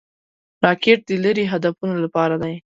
راکټ د لیرې هدفونو لپاره دی